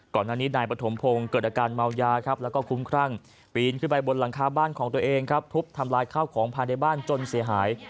ก่อนหน้านี้นายปฐมพงศ์เกิดอาการเมายาครับแล้วก็คุ้มครั่งปีนขึ้นไปบนหลังคาบ้านของตัวเองครับทุบทำลายข้าวของภายในบ้านจนเสียหาย